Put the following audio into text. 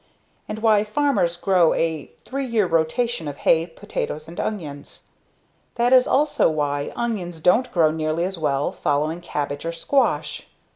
And why farmers grow a three year rotation of hay, potatoes and onions. That is also why onions don't grow nearly as well following cabbage or squash.